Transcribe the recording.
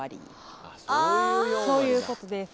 そういうことです。